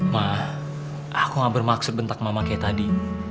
ma aku nggak bermaksud bentak mama kayak tadi